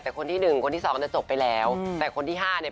แต่คนที่๑คนที่๒จะจบไปแล้วแต่คนที่๕เนี่ย